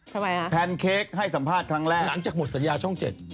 ทำไมครับหลังจากหมดสัญญาช่อง๗แพนเค้กให้สัมภาษณ์ครั้งแรก